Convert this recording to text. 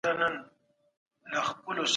رښتينی انسان به تل د نورو ملاتړ وکړي.